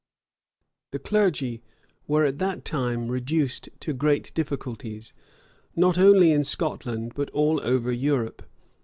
The clergy were at that time reduced to great difficulties, not only in Scotland, but all over Europe.